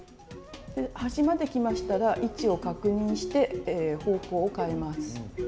端まできましたら位置を確認して方向を変えます。